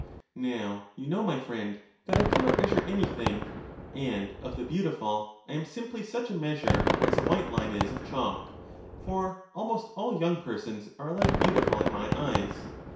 Now you know, my friend, that I can not measure anything, and of the beautiful, I am simply such a measure as a white line is of chalk; for almost all young persons are alike beautiful in my eyes.